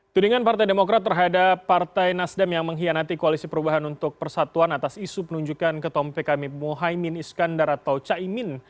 tudingan partai demokrat terhadap partai nasdem yang menghianati koalisi perubahan untuk persatuan atas isu penunjukkan ketom pkm mu haimin iskandar atau caimin